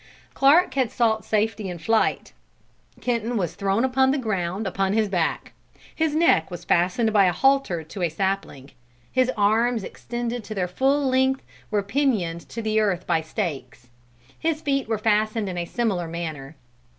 Clark had sought safety in flight. Kenton was thrown upon the ground upon his back. His neck was fastened by a halter to a sapling; his arms, extended to their full length, were pinioned to the earth by stakes; his feet were fastened in a similar manner.